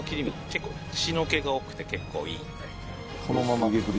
結構血の気が多くて結構いいので。